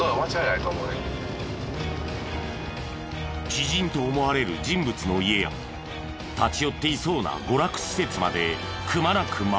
知人と思われる人物の家や立ち寄っていそうな娯楽施設までくまなく回る。